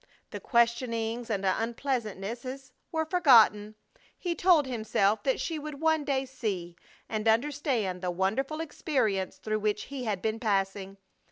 The questionings and unpleasantnesses were forgotten. He told himself that she would one day see and understand the wonderful experience through which he had been passing.